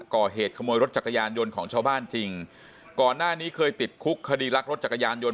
ก่อเหตุขโมยรถจักรยานยนต์ของชาวบ้านจริงก่อนหน้านี้เคยติดคุกคดีรักรถจักรยานยนต